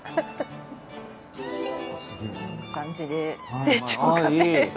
こんな感じで成長過程を。